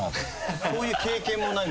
そういう経験もない？